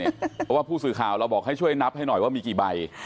เพราะว่าผู้สื่อข่าวเราบอกให้ช่วยนับให้หน่อยว่ามีกี่ใบ